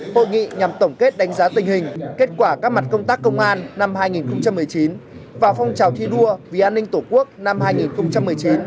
hội nghị nhằm tổng kết đánh giá tình hình kết quả các mặt công tác công an năm hai nghìn một mươi chín và phong trào thi đua vì an ninh tổ quốc năm hai nghìn một mươi chín